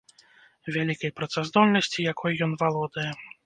Вялікай працаздольнасці, якой ён валодае.